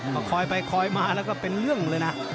ก็คอยไปคอยมาแล้วก็เป็นเรื่องเลยนะ